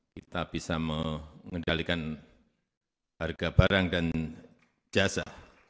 kita bisa mengendalikan harga barang dan jasa